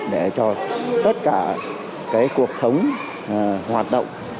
để cho tất cả cuộc sống hoạt động